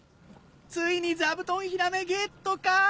ついに座布団ヒラメゲットか？